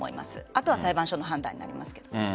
あとは裁判所の判断になります。